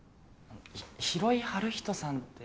廣井春人さんって。